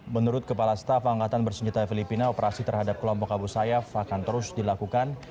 menurut kepala staf angkatan bersenjata filipina operasi terhadap kelompok abu sayyaf akan terus dilakukan